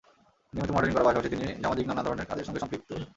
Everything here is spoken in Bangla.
নিয়মিত মডেলিং করার পাশাপাশি তিনি সামাজিক নানা ধরনের কাজের সঙ্গে সম্পৃক্ত।